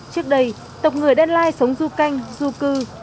trước đây tộc người đan lai sống du canh du cư